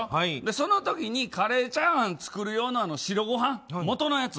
その時に、カレーチャーハンを作る用の白ごはん元のやつ。